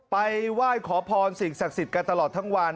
ไปไหว้ขอพรสิ่งศักดิ์สิทธิ์กันตลอดทั้งวัน